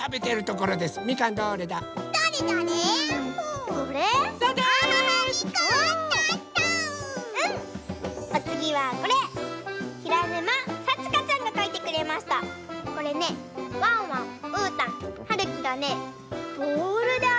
これねワンワンうーたんはるきがねボールであそんでます。